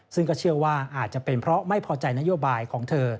ซึ่งก็เชื่อว่าอาจจะเป็นเพราะไม่พอใจนโยบายของเธอ